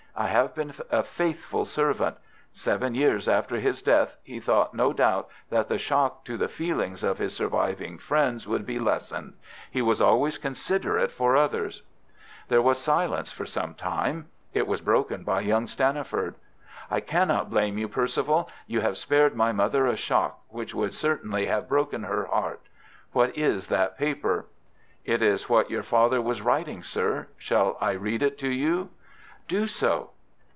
I have been a faithful servant. Seven years after his death, he thought no doubt that the shock to the feelings of his surviving friends would be lessened. He was always considerate for others." There was silence for some time. It was broken by young Stanniford. "I cannot blame you, Perceval. You have spared my mother a shock, which would certainly have broken her heart. What is that paper?" "It is what your father was writing, sir. Shall I read it to you?" "Do so."